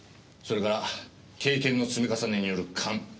それから経験の積み重ねによる勘。